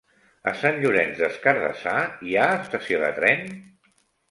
A Sant Llorenç des Cardassar hi ha estació de tren?